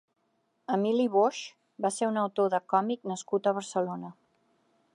Emili Boix va ser un autor de còmic nascut a Barcelona.